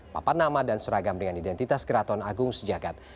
papan nama dan seragam dengan identitas keraton agung sejagat